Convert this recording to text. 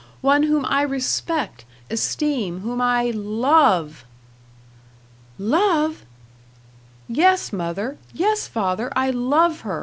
One whom I respect, esteem whom I LOVE." "Love!" "Yes, mother! Yes, father! I love her.